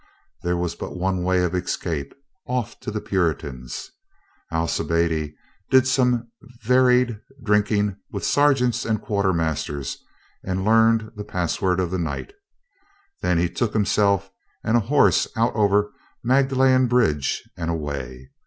There was but one way of escape — off to the Puritans. Al cibiade did some varied drinking with sergeants and quartermasters and learned the password of the night. Then he took himself and a horse out over Magdalen bridge and away.